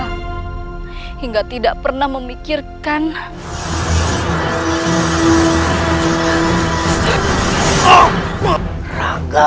aku sadar aku telah silau akan harta dan tahta